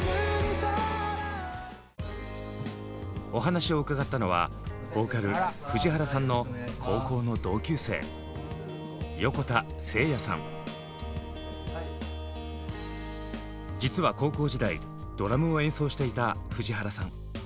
お話を伺ったのはボーカル藤原さんの高校の同級生実は高校時代ドラムを演奏していた藤原さん。